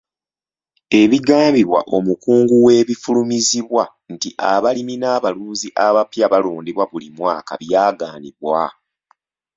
Ebigambibwa omukungu w'ebifulumizibwa nti abalimi n'abalunzi abapya balondebwa buli mwaka byagaanibwa.